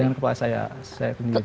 dengan kepala saya sendiri